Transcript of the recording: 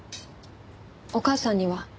お母さんには？